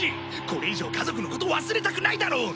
これ以上家族のこと忘れたくないだろ？